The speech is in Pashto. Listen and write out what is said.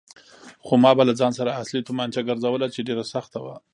خو ما به له ځان سره اصلي تومانچه ګرځوله چې ډېره سخته وه.